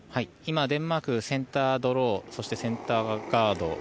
今、デンマークセンタードローそしてセンターガード